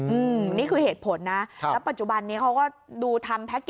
อืมนี่คือเหตุผลนะครับแล้วปัจจุบันนี้เขาก็ดูทำแพ็คเกจ